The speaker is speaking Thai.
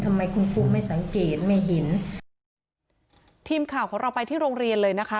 ทำไมคุณครูไม่สังเกตไม่เห็นทีมข่าวของเราไปที่โรงเรียนเลยนะคะ